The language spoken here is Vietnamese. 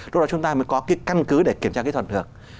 lúc đó chúng ta mới có cái căn cứ để kiểm tra kỹ thuật được